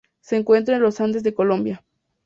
Se encuentra en los Andes de Colombia.